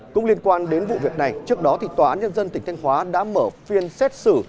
cũng liên quan đến vụ việc này trước đó tòa án nhân dân tỉnh thanh hóa đã mở phiên xét xử